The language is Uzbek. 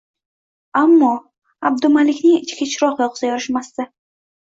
Ammo Abdumalikning ichiga chiroq yoqsa yorishmasdi